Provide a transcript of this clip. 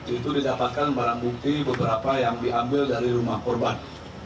itu didapatkan barang bukti beberapa yang diambil dari rumah korban